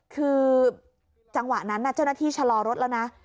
คือจังหวะนั้นเจ้าหน้าที่ชะลอรถแล้วนะ